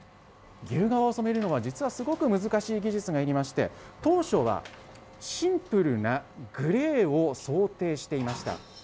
牛革を染めるのは、実はすごく難しい技術がいりまして、当初はシンプルなグレーを想定していました。